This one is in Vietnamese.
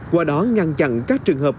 qua đó ngăn chặn các trường hợp